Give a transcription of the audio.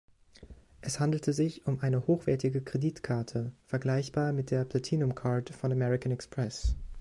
Es handelte sich um eine hochwertige Kreditkarte, vergleichbar mit der Platinum Card von American Express.